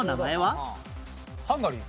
ハンガリー。